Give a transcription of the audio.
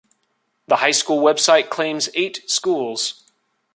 The high school website claims eight schools.